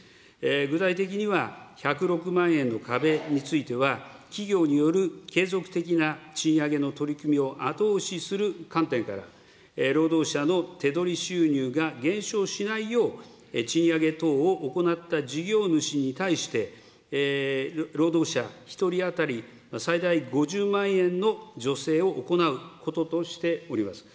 具体的には１０６万円の壁については、企業による継続的な賃上げの取り組みを後押しする観点から、労働者の手取り収入が減少しないよう、賃上げ等を行った事業主に対して、労働者１人当たり最大５０万円の助成を行うこととしております。